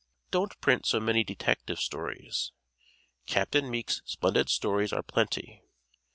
Don't print so many detective stories. Capt. Meek's splendid stories are plenty.